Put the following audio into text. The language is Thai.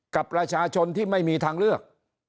กับประชาชนที่ไม่มีทางเลือก